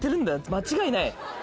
間違いない。